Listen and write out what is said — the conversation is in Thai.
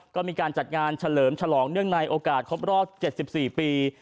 ก็มีการจัดงานเฉลิมฉลองเนื่องในโอกาสครบรอบ๗๔ปี